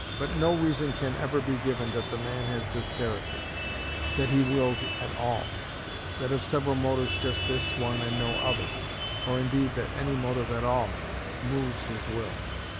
But no reason can ever be given that the man has this character; that he wills at all; that, of several motives, just this one and no other, or indeed that any motive at all, moves his will.